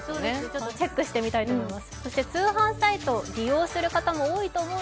ちょっとチェックしてみたいと思います。